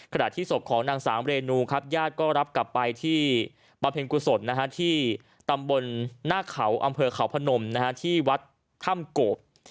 ขณะที่ศพของนางสาวเรนูครับญาติก็รับกลับไปที่บำเพ็ญกุศลที่ตำบลหน้าเขาอำเภอเขาพนมที่วัดถ้ำโกบ